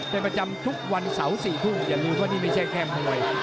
เป็นประจำทุกวันเสาร์๔ทุ่มอย่าลืมว่านี่ไม่ใช่แค่มวย